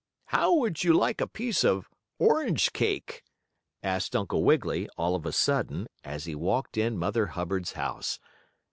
"How would you like a piece of orange cake?" asked Uncle Wiggily, all of a sudden, as he walked in Mother Hubbard's house.